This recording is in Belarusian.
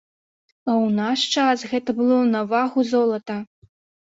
А ў наш час гэта было на вагу золата!